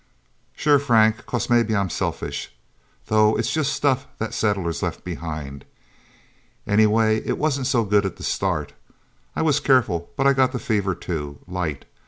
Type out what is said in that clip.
"Sure, Frank 'cause maybe I'm selfish. Though it's just stuff the settlers left behind. Anyway, it wasn't so good at the start. I was careful, but I got the fever, too. Light.